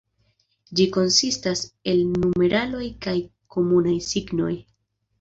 Ĝi konsistas el numeraloj kaj komunaj signoj.